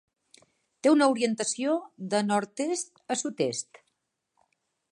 Té una orientació de nord-oest a sud-est.